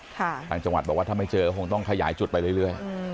ค่ะทางจังหวัดบอกว่าถ้าไม่เจอคงต้องขยายจุดไปเรื่อยเรื่อยอืม